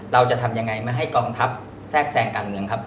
เราจะทำยังไงไม่ให้กองทัพแทรกแทรงการเมืองครับ